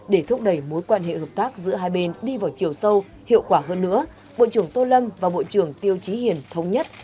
để thúc đẩy mối quan hệ hợp tác giữa hai bên đi vào chiều sâu hiệu quả hơn nữa bộ trưởng tô lâm và bộ trưởng tiêu trí hiền thống nhất